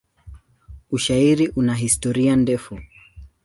Ushairi una historia ndefu.